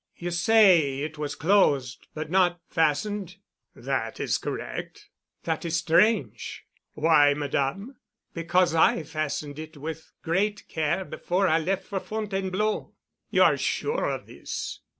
You say it was closed but not fastened?" "That is correct." "That is strange." "Why, Madame?" "Because I fastened it with great care before I left for Fontainebleau." "You are sure of this?"